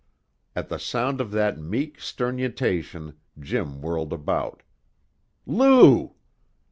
At the sound of that meek sternutation Jim whirled about. "Lou!"